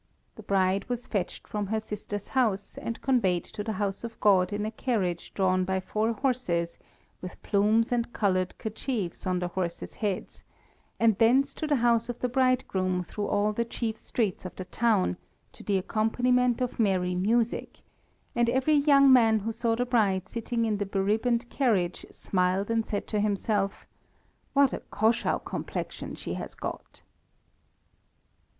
The bride was fetched from her sister's house, and conveyed to the House of God in a carriage drawn by four horses, with plumes and coloured kerchiefs on the horses' heads, and thence to the house of the bridegroom through all the chief streets of the town, to the accompaniment of merry music; and every young man who saw the bride sitting in the beribboned carriage smiled and said to himself, "What a Caschau complexion she has got."